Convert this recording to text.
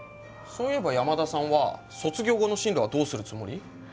そういえば山田さんは卒業後の進路はどうするつもり？